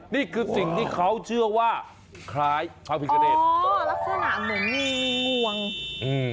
นี่คือสิ่งที่เขาเชื่อว่าคล้ายพระพิกษเดชอ๋อลักษณะเหมือนมีงวงอืม